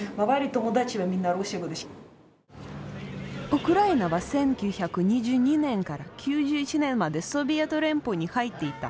ウクライナは１９２２年から９１年までソビエト連邦に入っていた。